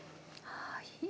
はい。